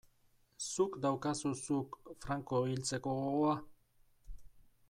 Zuk daukazu, zuk, Franco hiltzeko gogoa?